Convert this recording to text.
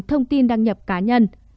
thông tin đăng nhập cá nhân